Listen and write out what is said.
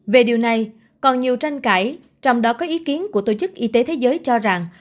về điều này còn nhiều tranh cãi trong đó có ý kiến của tổ chức y tế thế giới cho rằng